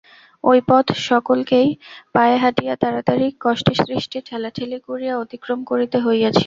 ঐ পথ সকলকেই পায়ে হাঁটিয়া তাড়াতাড়ি কষ্টেসৃষ্টে ঠেলাঠেলি করিয়া অতিক্রম করিতে হইয়াছিল।